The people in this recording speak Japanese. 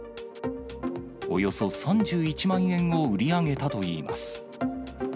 およそ３１万円を売り上げたといいます。